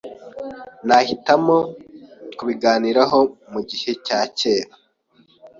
Nahitamo kubiganiraho mugihe cyakera.